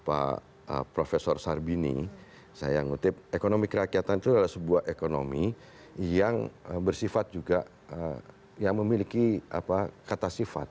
pak profesor sarbini saya ngutip ekonomi kerakyatan itu adalah sebuah ekonomi yang bersifat juga yang memiliki kata sifat